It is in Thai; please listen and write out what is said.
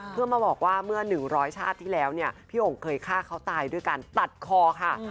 เพื่อมาบอกว่าเมื่อ๑๐๐ชาติที่แล้วเนี่ยพี่โอ่งเคยฆ่าเขาตายด้วยการตัดคอค่ะ